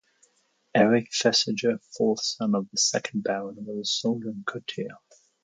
Eric Thesiger, fourth son of the second Baron, was a soldier and courtier.